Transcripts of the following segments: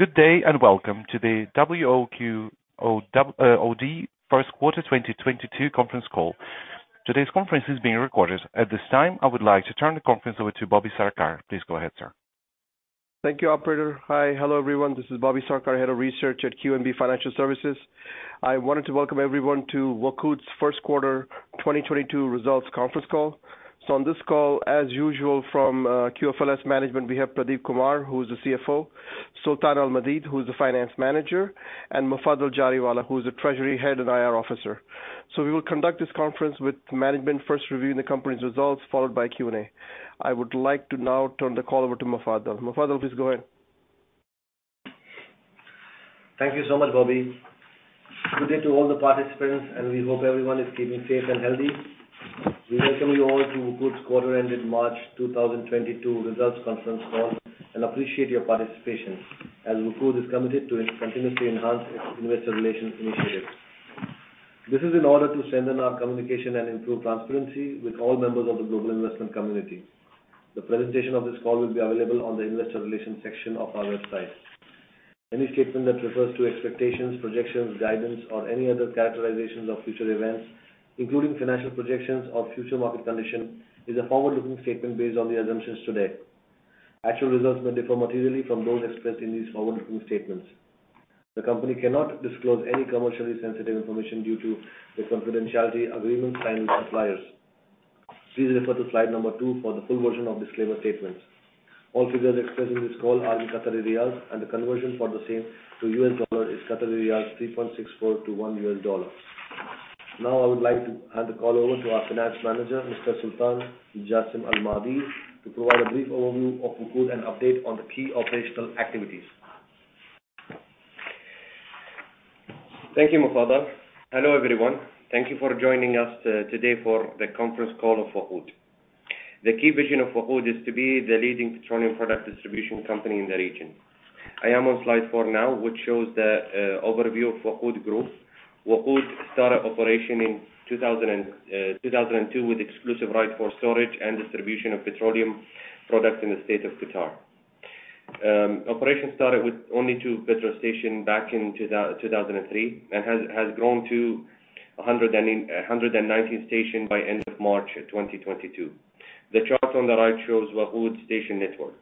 Good day, and welcome to the WOQOD’s First Quarter 2022 Conference Call. Today's conference is being recorded. At this time, I would like to turn the conference over to Bobby Sarkar. Please go ahead, sir. Thank you, operator. Hi. Hello, everyone. This is Bobby Sarkar, Head of Research at QNB Financial Services. I wanted to welcome everyone to WOQOD's First Quarter 2022 Results Conference Call. On this call, as usual, from QFLS management, we have Pradeep Kumar, who is the CFO, Sultan Al-Maadeed, who is the Finance Manager, and Mufaddal Jariwala, who is the Treasury Head and IR Officer. We will conduct this conference with management first reviewing the company's results, followed by Q&A. I would like to now turn the call over to Mufaddal. Mufaddal, please go ahead. Thank you so much, Bobby. Good day to all the participants, and we hope everyone is keeping safe and healthy. We welcome you all to WOQOD's Quarter Ending March 2022 Results Conference Call, and appreciate your participation, as WOQOD is committed to continuously enhancing investor relations initiatives. This is in order to strengthen our communication and improve transparency with all members of the global investment community. The presentation of this call will be available on the investor relations section of our website. Any statement that refers to expectations, projections, guidance, or any other characterizations of future events, including financial projections or future market conditions, is a forward-looking statement based on the assumptions today. Actual results may differ materially from those expressed in these forward-looking statements. The company cannot disclose any commercially sensitive information due to the confidentiality agreement signed with suppliers. Please refer to slide number two for the full version of disclaimer statements. All figures expressed in this call are in QAR, and the conversion for the same to U.S, dollar is Qatari riyals 3.64 to $1. Now I would like to hand the call over to our Finance Manager, Mr. Sultan Jassim Al-Maadeed, to provide a brief overview of WOQOD and update on the key operational activities. Thank you, Mufaddal. Hello, everyone. Thank you for joining us today for the conference call of WOQOD. The key vision of WOQOD is to be the leading petroleum product distribution company in the region. I am on slide four now, which shows the overview of WOQOD Group. WOQOD started operation in 2002 with exclusive right for storage and distribution of petroleum products in the state of Qatar. Operation started with only two petrol station back in 2003 and has grown to a 119 stations by end of March 2022. The chart on the right shows WOQOD station network.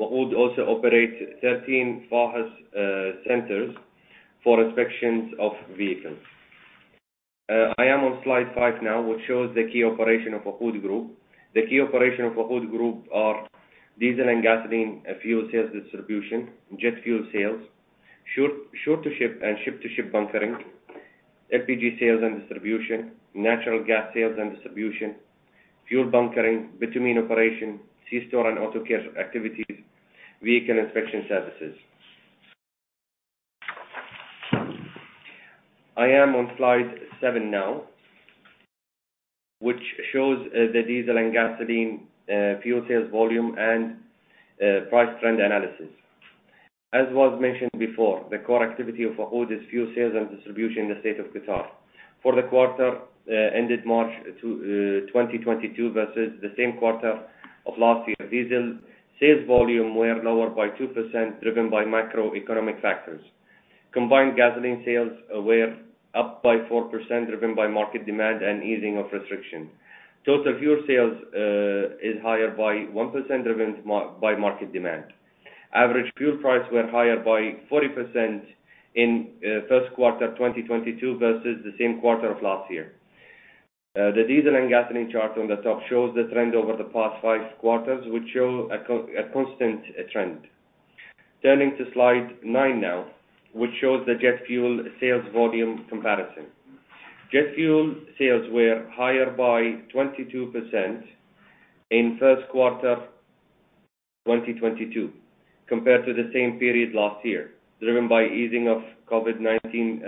WOQOD also operates 13 Fahes centers for inspections of vehicles. I am on slide five now, which shows the key operation of WOQOD Group. The key operation of WOQOD Group are diesel and gasoline fuel sales distribution, jet fuel sales, shore-to-ship and ship-to-ship bunkering, LPG sales and distribution, natural gas sales and distribution, fuel bunkering, bitumen operation, C-store and auto care activities, vehicle inspection services. I am on slide seven now, which shows the diesel and gasoline fuel sales volume and price trend analysis. As was mentioned before, the core activity of WOQOD is fuel sales and distribution in the state of Qatar. For the quarter ended March 2, 2022 versus the same quarter of last year, diesel sales volume were lower by 2% driven by macroeconomic factors. Combined gasoline sales were up by 4% driven by market demand and easing of restriction. Total fuel sales is higher by 1% driven by market demand. Average fuel price were higher by 40% in first quarter 2022 versus the same quarter of last year. The diesel and gasoline chart on the top shows the trend over the past five quarters, which show a constant trend. Turning to slide nine now, which shows the jet fuel sales volume comparison. Jet fuel sales were higher by 22% in first quarter 2022 compared to the same period last year, driven by easing of COVID-19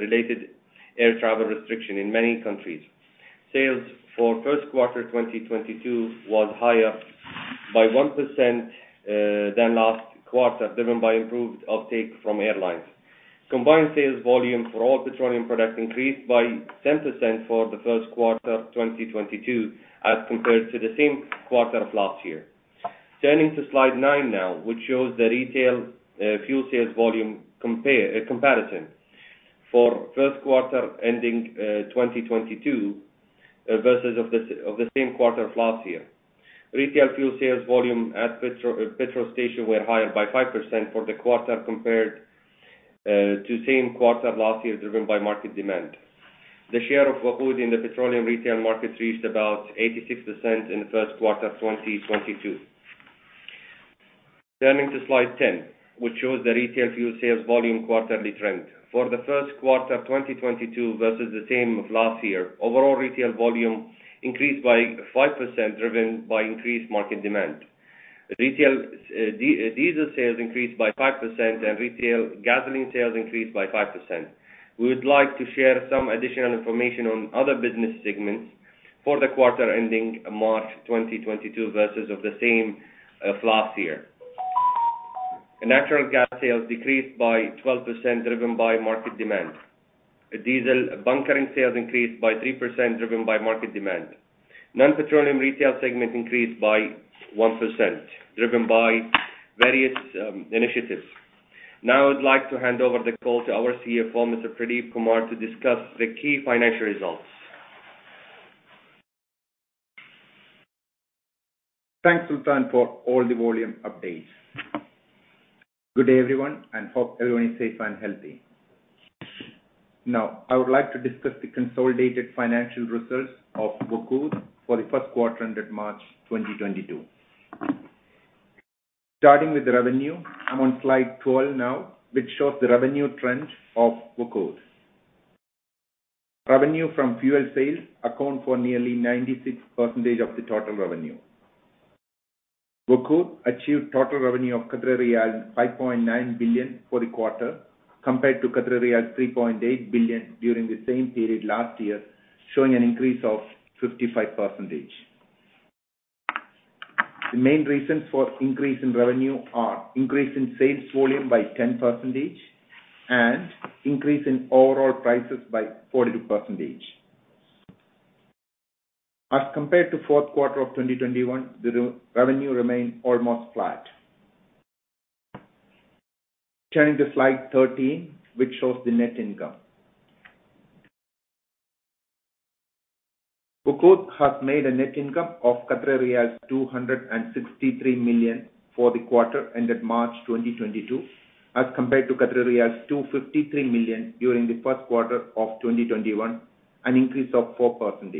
related air travel restriction in many countries. Sales for first quarter 2022 was higher by 1% than last quarter, driven by improved uptake from airlines. Combined sales volume for all petroleum products increased by 10% for the first quarter of 2022 as compared to the same quarter of last year. Turning to slide nine now, which shows the retail fuel sales volume comparison for first quarter ending 2022 versus of the same quarter of last year. Retail fuel sales volume at petrol station were higher by 5% for the quarter compared to same quarter of last year, driven by market demand. The share of WOQOD in the petroleum retail market reached about 86% in the first quarter 2022. Turning to slide 10, which shows the retail fuel sales volume quarterly trend. For the first quarter 2022 versus the same of last year, overall retail volume increased by 5% driven by increased market demand. Retail diesel sales increased by 5%, and retail gasoline sales increased by 5%. We would like to share some additional information on other business segments for the quarter ending March 2022 versus the same period of last year. Natural gas sales decreased by 12% driven by market demand. Diesel bunkering sales increased by 3% driven by market demand. Non-petroleum retail segment increased by 1%, driven by various initiatives. Now, I would like to hand over the call to our CFO, Mr. Pradeep Kumar, to discuss the key financial results. Thanks, Sultan, for all the volume updates. Good day everyone, and hope everyone is safe and healthy. Now, I would like to discuss the consolidated financial results of WOQOD for the first quarter ended March 2022. Starting with revenue, I'm on slide 12 now, which shows the revenue trends of WOQOD. Revenue from fuel sales account for nearly 96% of the total revenue. WOQOD achieved total revenue of riyal 5.9 billion for the quarter, compared to riyal 3.8 billion during the same period last year, showing an increase of 55%. The main reasons for increase in revenue are increase in sales volume by 10% and increase in overall prices by 42%. As compared to fourth quarter of 2021, the revenue remained almost flat. Turning to slide 13, which shows the net income. WOQOD has made a net income of 263 million for the quarter ended March 2022, as compared to 253 million during the first quarter of 2021, an increase of 4%.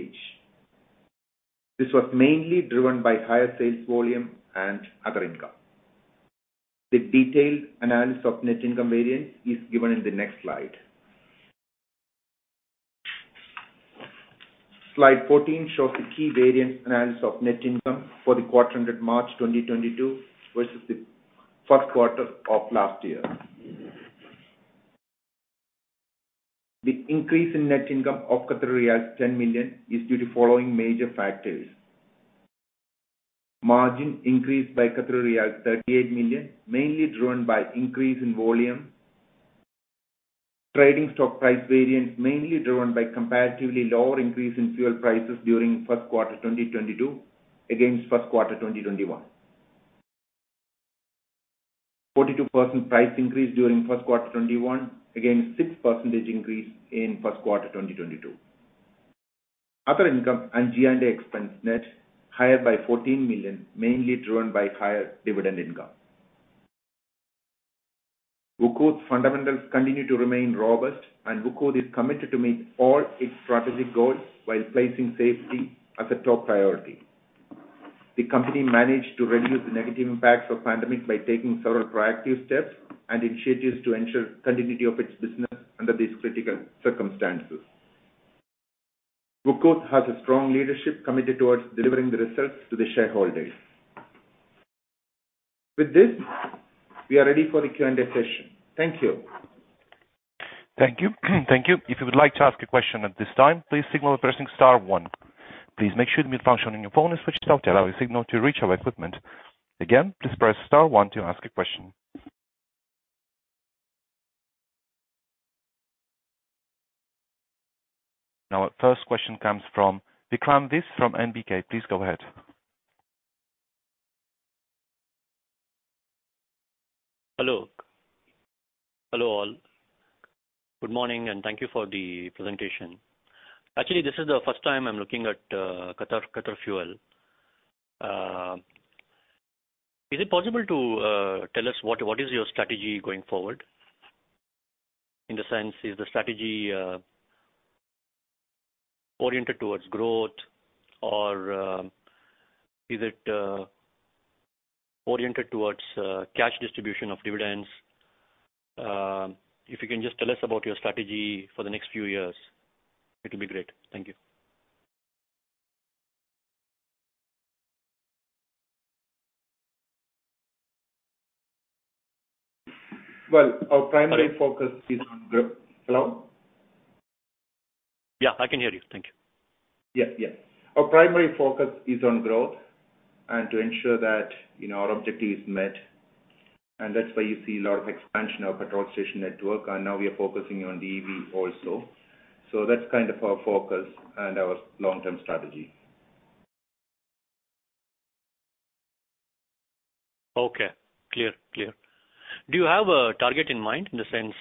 This was mainly driven by higher sales volume and other income. The detailed analysis of net income variance is given in the next slide. Slide 14 shows the key variance analysis of net income for the quarter ended March 2022 versus the first quarter of last year. The increase in net income of 10 million is due to following major factors. Margin increased by 38 million, mainly driven by increase in volume. Trading stock price variance mainly driven by comparatively lower increase in fuel prices during first quarter 2022 against first quarter 2021. 42% price increase during first quarter 2021 against 6% increase in first quarter 2022. Other income and G&A expense net higher by 14 million, mainly driven by higher dividend income. WOQOD's fundamentals continue to remain robust, and WOQOD is committed to meet all its strategic goals while placing safety as a top priority. The company managed to reduce the negative impacts of pandemic by taking several proactive steps and initiatives to ensure continuity of its business under these critical circumstances. WOQOD has a strong leadership committed towards delivering the results to the shareholders. With this, we are ready for the Q&A session. Thank you. Thank you. Thank you. If you would like to ask a question at this time, please signal by pressing star one. Please make sure the mute function on your phone is switched off to allow your signal to reach our equipment. Again, please press star one to ask a question. Now, our first question comes from Vikram Viswanathan from NBK. Please go ahead. Hello. Hello, all. Good morning, and thank you for the presentation. Actually, this is the first time I'm looking at Qatar Fuel. Is it possible to tell us what is your strategy going forward? In the sense, is the strategy oriented towards growth or is it oriented towards cash distribution of dividends? If you can just tell us about your strategy for the next few years, it will be great. Thank you. Well, our primary focus is on. Sorry. Hello? Yeah, I can hear you. Thank you. Yeah, yeah. Our primary focus is on growth and to ensure that, you know, our objective is met. That's why you see a lot of expansion of petrol station network, and now we are focusing on EV also. That's kind of our focus and our long-term strategy. Okay. Clear. Do you have a target in mind, in the sense,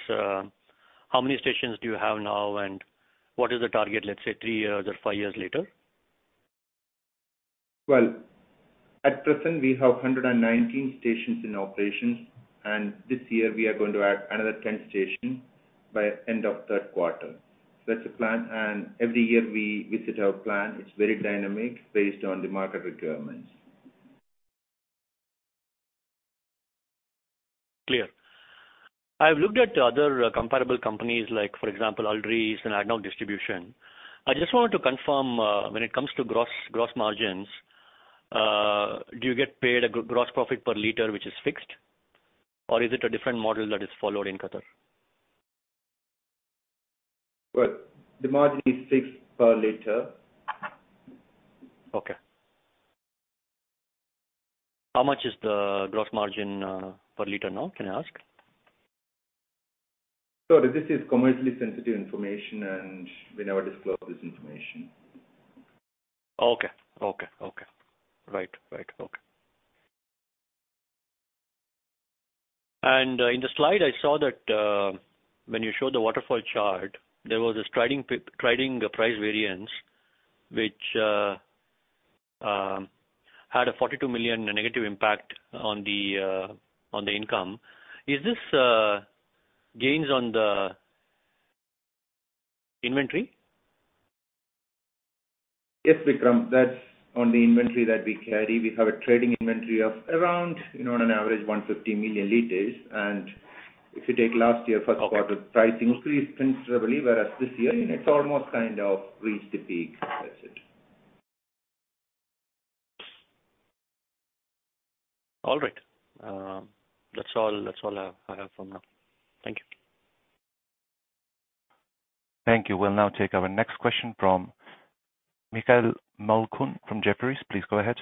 how many stations do you have now and what is the target, let's say three years or five years later? Well, at present we have 119 stations in operations, and this year we are going to add another 10 stations by end of third quarter. That's the plan, and every year we meet our plan. It's very dynamic based on the market requirements. Clear. I've looked at other comparable companies like for example, Aldrees and ADNOC Distribution. I just wanted to confirm, when it comes to gross margins, do you get paid a gross profit per liter which is fixed, or is it a different model that is followed in Qatar? Well, the margin is fixed per liter. Okay. How much is the gross margin per liter now, can I ask? Sorry, this is commercially sensitive information, and we never disclose this information. Okay. Right. In the slide I saw that, when you showed the waterfall chart, there was this trading price variance, which had a 42 million negative impact on the income. Is this gains on the inventory? Yes, Vikram, that's on the inventory that we carry. We have a trading inventory of around, you know, on an average 150 million liters. If you take last year first quarter, pricing increased considerably, whereas this year it's almost kind of reached the peak. That's it. All right. That's all I have for now. Thank you. Thank you. We'll now take our next question from Michael Simotas from Jefferies. Please go ahead.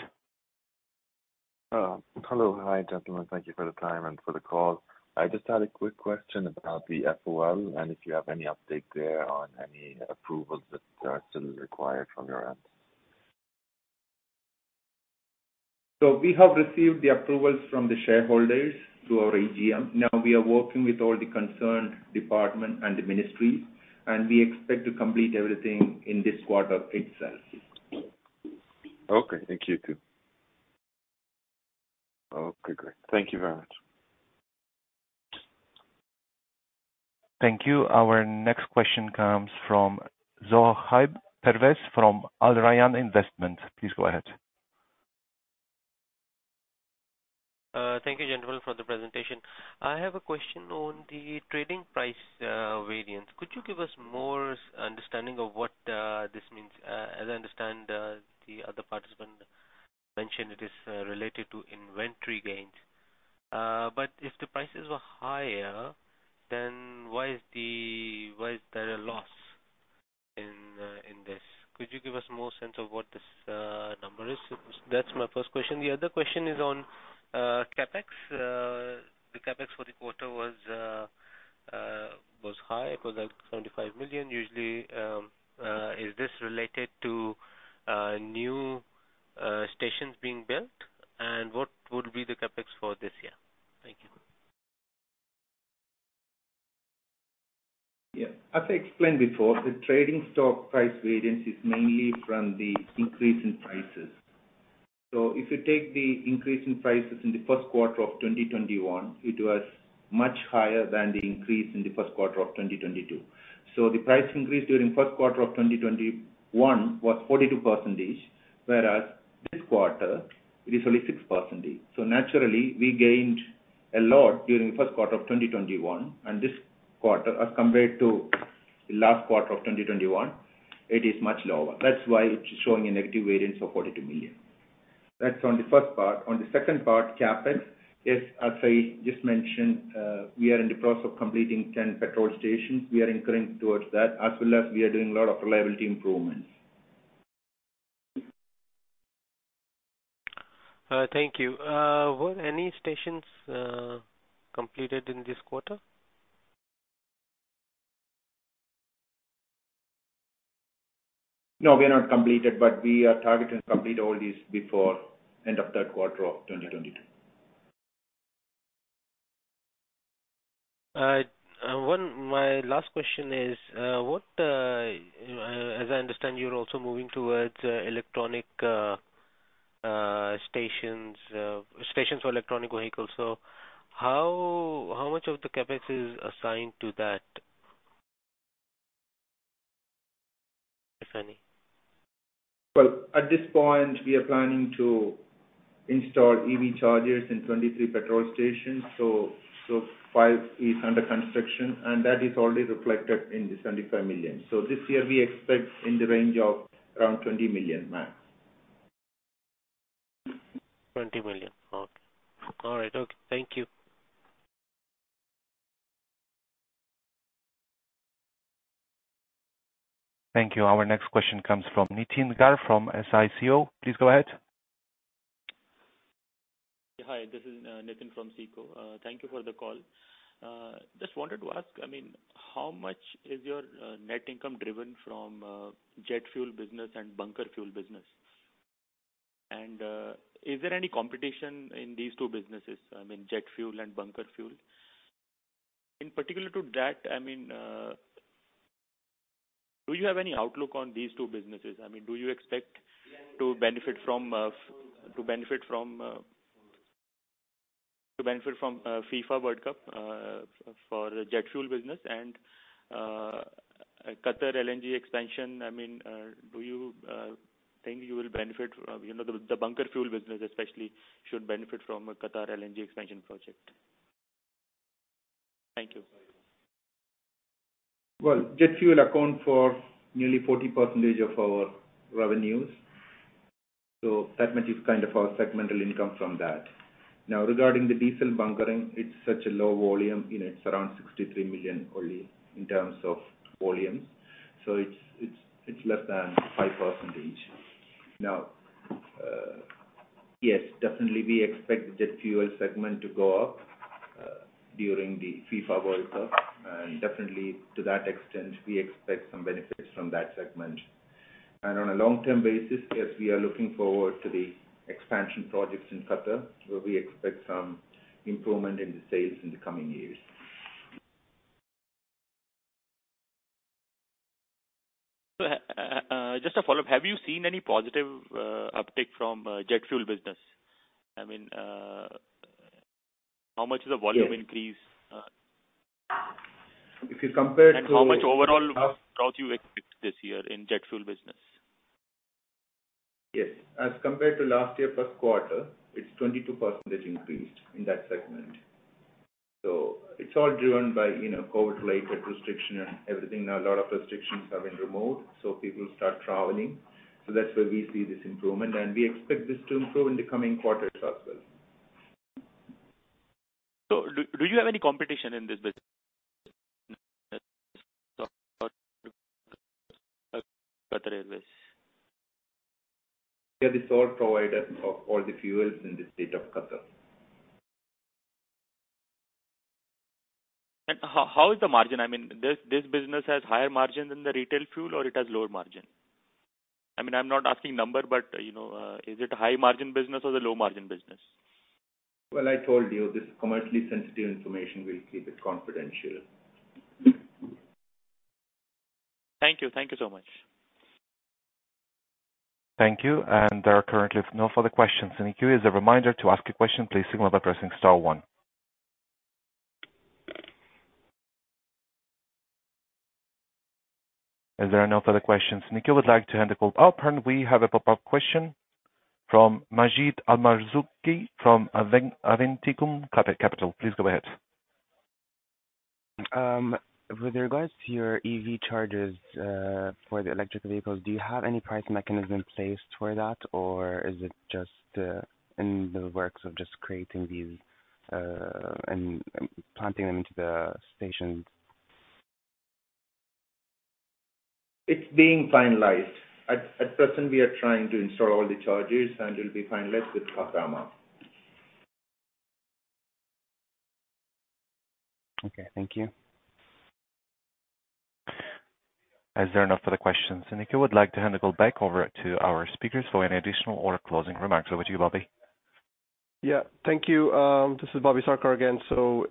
Hello. Hi, gentlemen. Thank you for the time and for the call. I just had a quick question about the FOL and if you have any update there on any approvals that are still required from your end. We have received the approvals from the shareholders through our AGM. Now we are working with all the concerned department and the ministry, and we expect to complete everything in this quarter itself. Okay. Thank you. Okay, great. Thank you very much. Thank you. Our next question comes from Zohaib Pervez from Al Rayan Investment. Please go ahead. Thank you gentlemen for the presentation. I have a question on the trading price variance. Could you give us more understanding of what this means? As I understand, the other participant mentioned it is related to inventory gains. But if the prices were higher, then why is there a loss in this? Could you give us more sense of what this number is? That's my first question. The other question is on CapEx. The CapEx for the quarter was high. It was like 75 million. Usually, is this related to new stations being built? What would be the CapEx for this year? Thank you. Yeah. As I explained before, the trading stock price variance is mainly from the increase in prices. If you take the increase in prices in the first quarter of 2021, it was much higher than the increase in the first quarter of 2022. The price increase during first quarter of 2021 was 42%, whereas this quarter it is only 6%. Naturally, we gained a lot during first quarter of 2021, and this quarter, as compared to the last quarter of 2021, it is much lower. That's why it's showing a negative variance of 42 million. That's on the first part. On the second part, CapEx, yes, as I just mentioned, we are in the process of completing 10 petrol stations. We are incurring towards that, as well as we are doing a lot of reliability improvements. Thank you. Were any stations completed in this quarter? No, we are not completed, but we are targeting to complete all these before end of third quarter of 2022. All right. My last question is, as I understand, you're also moving towards electric stations for electric vehicles. So how much of the CapEx is assigned to that? If any. Well, at this point we are planning to install EV chargers in 23 petrol stations. Five is under construction and that is already reflected in the 75 million. This year we expect in the range of around 20 million max. 20 million. Okay. All right. Okay. Thank you. Thank you. Our next question comes from Nitin Garg from SICO. Please go ahead. Hi, this is Nitin from SICO. Thank you for the call. Just wanted to ask, I mean, how much is your net income driven from jet fuel business and bunker fuel business? Is there any competition in these two businesses, I mean, jet fuel and bunker fuel? In particular to that, I mean, do you have any outlook on these two businesses? I mean, do you expect to benefit from FIFA World Cup for jet fuel business and QatarEnergy LNG expansion? I mean, do you think you will benefit, you know, the bunker fuel business especially should benefit from QatarEnergy LNG expansion project? Thank you. Well, jet fuel accounts for nearly 40% of our revenues, so that much is kind of our segmental income from that. Now regarding the diesel bunkering, it's such a low volume, you know, it's around 63 million only in terms of volumes. So it's less than 5%. Now, yes, definitely we expect the jet fuel segment to go up during the FIFA World Cup. Definitely to that extent, we expect some benefits from that segment. On a long-term basis, yes, we are looking forward to the expansion projects in Qatar, where we expect some improvement in the sales in the coming years. Just a follow-up, have you seen any positive uptick from jet fuel business? I mean, how much is the volume increase? If you compare it to. How much overall growth you expect this year in jet fuel business? Yes. As compared to last year per quarter, it's 22% increased in that segment. It's all driven by, you know, COVID-related restriction and everything. Now a lot of restrictions have been removed, so people start traveling. That's where we see this improvement and we expect this to improve in the coming quarters as well. Do you have any competition in this business? We are the sole provider of all the fuels in the state of Qatar. How is the margin? I mean, this business has higher margin than the retail fuel or it has lower margin? I mean, I'm not asking number, but, you know, is it a high margin business or the low margin business? Well, I told you, this is commercially sensitive information. We'll keep it confidential. Thank you. Thank you so much. Thank you. There are currently no further questions in the queue. As a reminder, to ask a question, please signal by pressing star one. As there are no further questions in the queue, I'd like to end the call. Oh, we have a pop-up question from Majid Al Marzouqi from Aventicum Capital. Please go ahead. With regards to your EV chargers, for the electric vehicles, do you have any pricing mechanism in place for that? Or is it just, in the works of just creating these, and planting them into the stations? It's being finalized. At present we are trying to install all the chargers and we'll be finalized with Kahramaa. Okay. Thank you. As there are no further questions in the queue, I'd like to hand the call back over to our speakers for any additional or closing remarks. Over to you, Bobby. Yeah. Thank you. This is Bobby Sarkar again.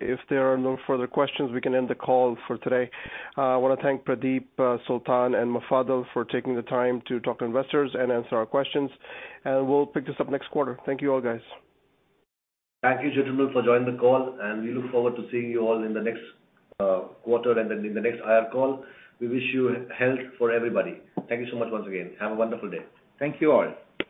If there are no further questions, we can end the call for today. I wanna thank Pradeep, Sultan and Mufaddal for taking the time to talk to investors and answer our questions, and we'll pick this up next quarter. Thank you all, guys. Thank you, gentlemen, for joining the call, and we look forward to seeing you all in the next quarter and then in the next IR call. We wish you health for everybody. Thank you so much once again. Have a wonderful day. Thank you all.